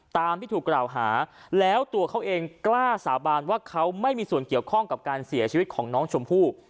ตามที่ถูกกล่าวหาแล้วตัวเขาเองกล้าสาบานว่าเขาไม่มีส่วนเกี่ยวข้องกับการเสียชีวิตของน้องชมพู่